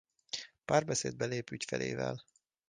Párbeszédbe lép ügyfelével.